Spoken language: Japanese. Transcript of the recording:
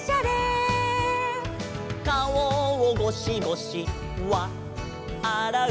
「かおをごしごしわっあらう」「」